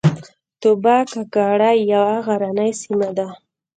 توبه کاکړۍ یوه غرنۍ سیمه ده